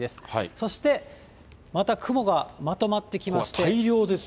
そして、また雲がまとまってきまして。